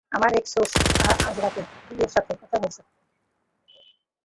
আমার এক সোর্স আজরাতে ডিএর সাথে কথা বলেছে।